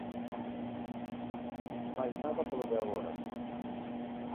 Máis nada polo de agora.